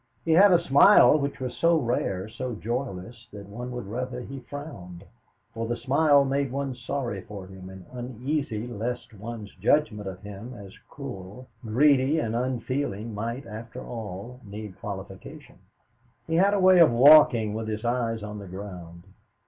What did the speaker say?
He had a smile which was so rare, so joyless, that one would rather he frowned, for the smile made one sorry for him and uneasy lest one's judgment of him as cruel, greedy and unfeeling might, after all, need qualification. He had a way of walking with his eyes on the ground.